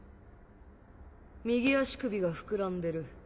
右足首がふくらんでる。